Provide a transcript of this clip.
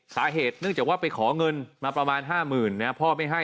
สาเหตุเนื่องจากว่าไปขอเงินมาประมาณ๕๐๐๐นะพ่อไม่ให้